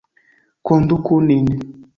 Konduku nin!